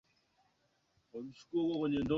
watu waliopoteza maisha kutokana na athari za ukungu